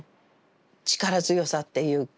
力強さっていうか大地